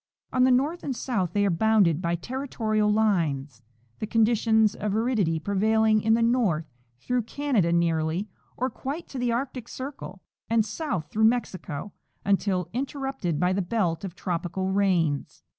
On the north and south they are bounded by territorial lines, tlie conditions of aridity prevailing in the north through Canada nearly or quite to the Arctic circle, and south through Mexico until interrupted by the belt of tropical rains.